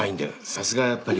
さすがやっぱり。